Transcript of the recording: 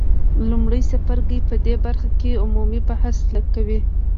لومړی څپرکی په دې برخه کې عمومي بحث کوي.